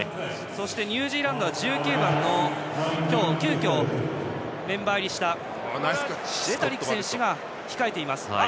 ニュージーランドは１９番の急きょメンバー入りしたレタリック選手が控えています。